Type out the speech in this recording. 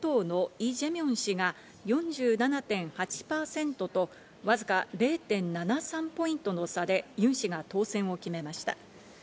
革新系・与党のイ・ジェミョン氏が４７．８３％と、わずか０．７３ポイントの差でユン氏が当選を決めました。